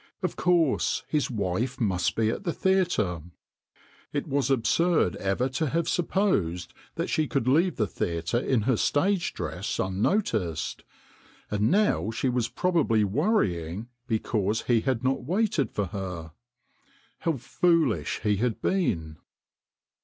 Of course, his wife must be at the theatre. It was absurd ever to have 204 THE CONJUKER supposed that she could leave the theatre in her stage dress unnoticed ; and now she was probably worrying because he had not waited for her. How foolish he had been.